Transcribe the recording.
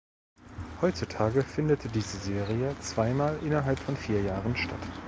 Heutzutage findet diese Serie zweimal innerhalb von vier Jahren statt.